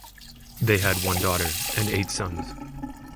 They had one daughter and eight sons.